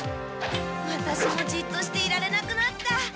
ワタシもじっとしていられなくなった。